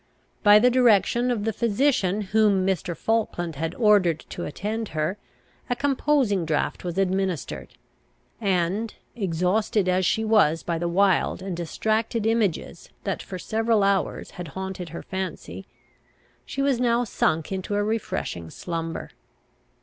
By the direction of the physician whom Mr. Falkland had ordered to attend her, a composing draught was administered; and, exhausted as she was by the wild and distracted images that for several hours had haunted her fancy, she was now sunk into a refreshing slumber.